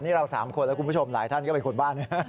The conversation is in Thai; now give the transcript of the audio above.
นี่เรา๓คนแล้วคุณผู้ชมหลายท่านก็เป็นคนบ้าน